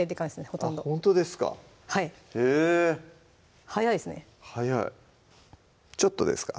ほとんどほんとですかへぇ早いですね早いちょっとですか？